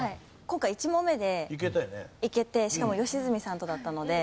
今回１問目でいけてしかも吉住さんとだったので。